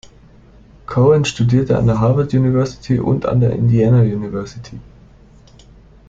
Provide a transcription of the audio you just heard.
Cohen studierte an der Harvard University und an der Indiana University.